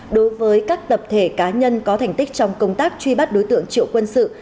đối với các tập thể cá nhân có thành tích trong công tác truy bắt đối tượng triệu quân sự